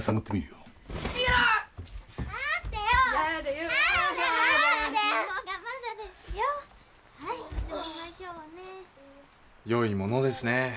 よいものですね。